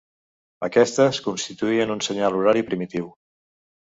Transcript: Aquestes constituïen un senyal horari primitiu.